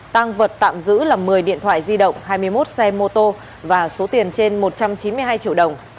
tăng vật tạm giữ là một mươi điện thoại di động hai mươi một xe mô tô và số tiền trên một trăm chín mươi hai triệu đồng